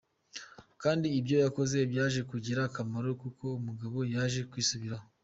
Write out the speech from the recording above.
Kandi ibyo yakoze byaje kugira akamaro kuko umugabo yaje kwisubiraho.